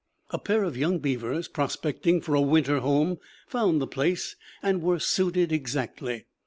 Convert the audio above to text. A pair of young beavers, prospecting for a winter home, found the place and were suited exactly.